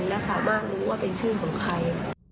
และสามารถรู้ว่าเป็นชื่อของใคร